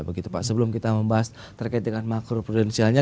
begitu pak sebelum kita membahas terkait dengan makro prudensialnya